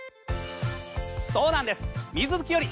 そうなんです！